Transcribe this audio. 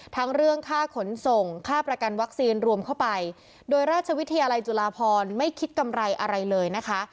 ทั้งเรื่องค่าขนส่งค่าประกันวัคซีนรวมเข้าไปโดยราชวิทยาลัยจุฬาพรไม่คิดกำไรอะไรเลยนะคะ